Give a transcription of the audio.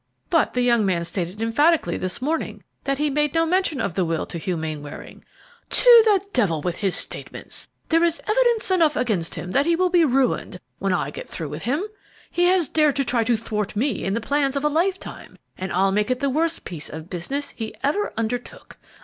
"But the young man stated emphatically this morning that he made no mention of the will to Hugh Mainwaring." "To the devil with his statements! There is evidence enough against him that he will be ruined when I get through with him. He has dared to try to thwart me in the plans of a lifetime, and I'll make it the worst piece of business he ever undertook.